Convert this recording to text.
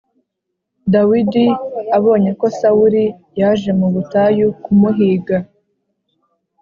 Dawidi abonye ko sawuli yaje mu butayu kumuhiga